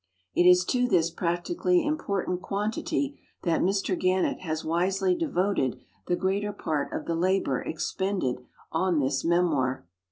It is to this }>ractically important (juantity tluit Mr Oannett has wisely devoted the greater part of the labor expended on this memoir.